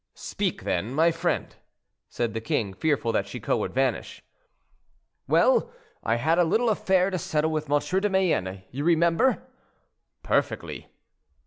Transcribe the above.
"Speak then, my friend," said the king, fearful that Chicot would vanish. "Well, I had a little affair to settle with M. de Mayenne, you remember?" "Perfectly."